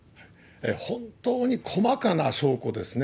本当に細かな証拠ですね。